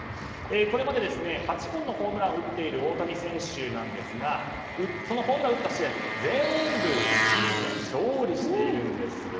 これまで８本のホームランを打っている大谷選手なんですがこのホームランを打った試合全部チームは勝利しているんです。